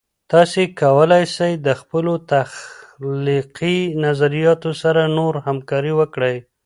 تاسې کولای سئ د خپلو تخلیقي نظریاتو سره نور همکارۍ وکړئ.